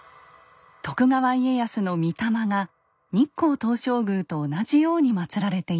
徳川家康の御霊が日光東照宮と同じようにまつられています。